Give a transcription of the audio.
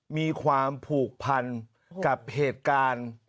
มีความผูกพันกับเหตุการณ์